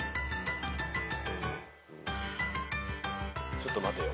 ちょっと待てよ。